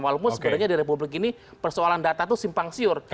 walaupun sebenarnya di republik ini persoalan data itu simpang siur